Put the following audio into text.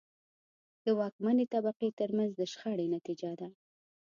د واکمنې طبقې ترمنځ د شخړې نتیجه ده.